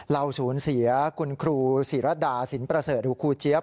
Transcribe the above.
เราสูญเสียคุณครูศิรดาสินประเสริฐหรือครูเจี๊ยบ